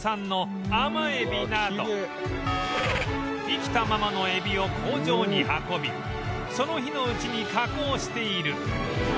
生きたままのえびを工場に運びその日のうちに加工している